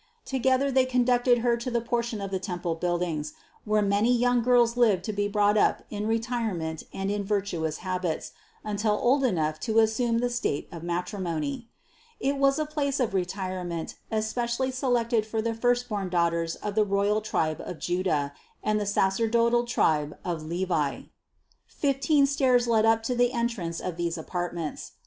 Together they conducted Her to the portion of the temple build ings, where many young girls lived to be brought up in retirement and in virtuous habits, until old enough to as sume the state of matrimony. It was a place of retire ment especially selected for the first born daughters of the royal tribe of Juda and the sacerdotal tribe of Levi. 423. Fifteen stairs led up to the entrance of these apartments.